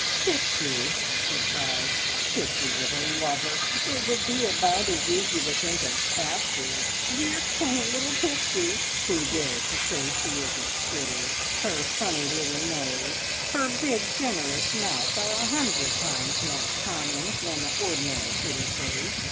"Pixie!" he cried. "Pixie with a lover! It would be about as easy to think of Patsie. Dear, quaint little Pixie! Who dares to say she isn't pretty? Her funny little nose, her big, generous mouth are a hundred times more charming than the ordinary pretty face.